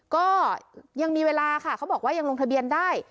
ก็ยังมีเวลาค่ะเขาบอกว่ายังลงทะเบียนได้